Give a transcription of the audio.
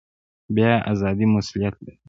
بیان ازادي مسوولیت لري